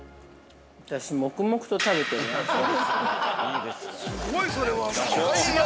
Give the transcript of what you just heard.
◆私、黙々と食べてるわ。